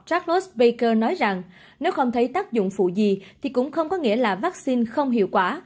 charlos baker nói rằng nếu không thấy tác dụng phụ gì thì cũng không có nghĩa là vaccine không hiệu quả